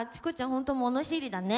ほんと物知りだね。